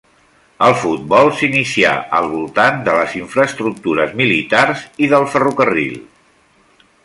El futbol s'inicià al voltant de les infraestructures militars i de ferrocarril.